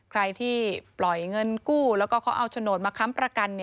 ใครที่ปล่อยเงินกู้แล้วก็เขาเอาโฉนดมาค้ำประกัน